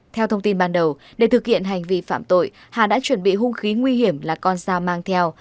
theo thông tin ban đầu để thực hiện hành vi phạm tội hà đã chuẩn bị hung khí nguy hiểm là con dao mang theo